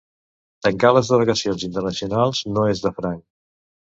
Tancar les delegacions internacionals no és de franc